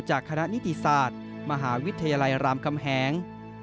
คณะนิติศาสตร์มหาวิทยาลัยรามคำแหง